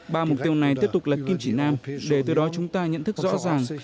ba mục tiêu này tiếp tục là kim chỉ nam để từ đó chúng ta nhận thức rõ ràng